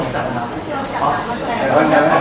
ใช่มั้ย